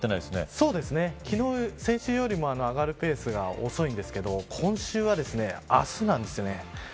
そうですね、先週よりも上がるペースが遅いんですけど今週は、明日なんですよね。